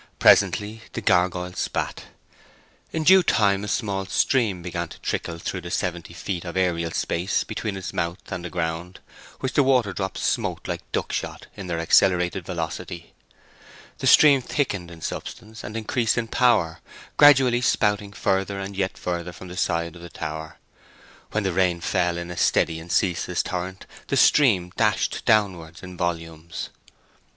Presently the gurgoyle spat. In due time a small stream began to trickle through the seventy feet of aerial space between its mouth and the ground, which the water drops smote like duckshot in their accelerated velocity. The stream thickened in substance, and increased in power, gradually spouting further and yet further from the side of the tower. When the rain fell in a steady and ceaseless torrent the stream dashed downward in volumes.